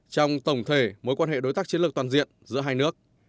trong tổng thể mối quan hệ đối tác chiến lược toàn diện giữa hai nước